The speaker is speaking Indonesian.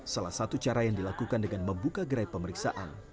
salah satu cara yang dilakukan dengan membuka gerai pemeriksaan